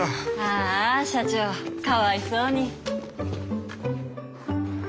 ああ社長かわいそうに。